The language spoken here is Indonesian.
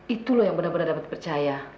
itu loh yang benar benar dapat dipercaya